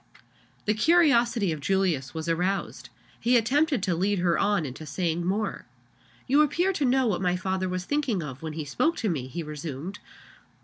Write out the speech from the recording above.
The curiosity of Julius was aroused. He attempted to lead her on into saying more. "You appear to know what my father was thinking of when he spoke to me," he resumed.